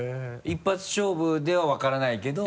一発勝負では分からないけど。